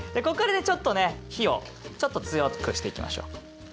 ここからねちょっとね火をちょっと強くしていきましょう。